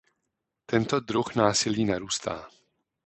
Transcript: Tento druh násilí narůstá.